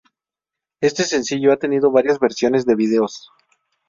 Este sencillo ha tenido varias versiones de videos.